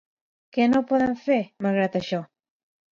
Què no poden fer, malgrat això?